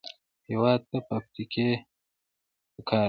هېواد ته فابریکې پکار دي